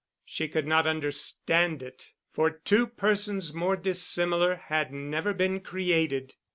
She could not understand it, for two persons more dissimilar had never been created.